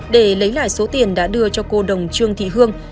để lấy lại số tiền đã đưa cho cô đồng trương thị hương